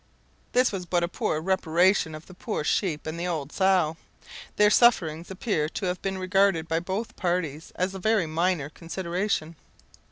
This was but a poor reparation to the poor sheep and the old sow. Their sufferings appear to have been regarded by both parties as a very minor consideration.